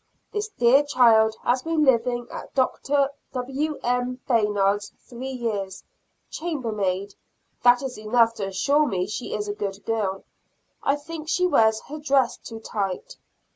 This dear child has been living at Dr. Wm. Bayards' three years chambermaid that is enough to assure me she is a good girl. I think she wears her dress too tight.